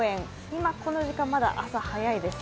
今この時間まだ朝早いです。